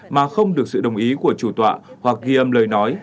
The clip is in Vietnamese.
mà không được sự đồng ý của chủ tọa hoặc ghi âm lời nói